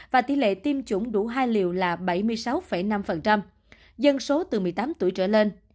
và tỷ lệ tiêm chủng đủ hai liều là bảy mươi sáu năm dân số từ một mươi tám tuổi trở lên